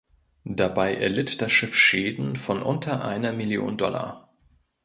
Dabei erlitt das Schiff Schäden von unter einer Million Dollar.